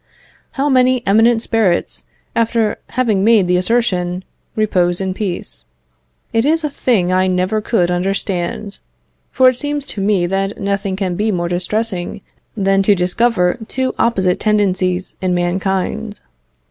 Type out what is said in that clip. How many eminent spirits, after having made the assertion, repose in peace. It is a thing I never could understand, for it seems to me that nothing can be more distressing than to discover two opposite tendencies in mankind.